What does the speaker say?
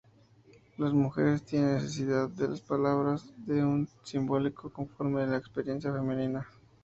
Las mujeres tienen necesidad de palabras, de un simbólico conforme a la experiencia femenina.